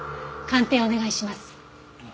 鑑定お願いします。